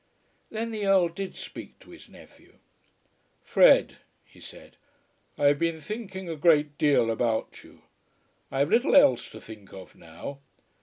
Then the Earl did speak to his nephew. "Fred," he said, "I have been thinking a great deal about you. I have little else to think of now.